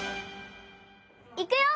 いくよ！